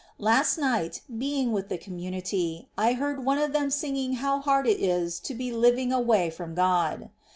Last night, being with the community, I heard one^ of them singing how hard it is to be living away from God.